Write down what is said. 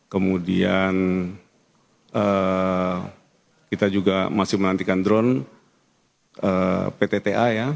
kemudian kita juga masih menantikan drone ptta